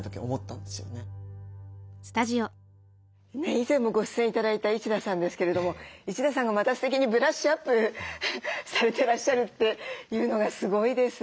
以前もご出演頂いた一田さんですけれども一田さんがまたすてきにブラッシュアップされてらっしゃるというのがすごいです。